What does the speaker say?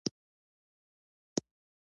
ایا ستاسو دستمال به په لاس وي؟